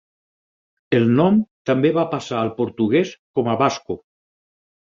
El nom també va passar al portuguès com a "Vasco".